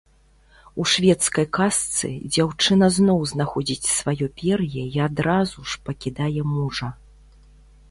У шведскай казцы дзяўчына зноў знаходзіць сваё пер'е і адразу ж пакідае мужа.